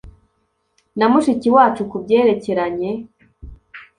na Mushiki wacu ku byerekeranye